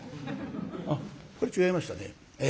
あっこれ違いましたね。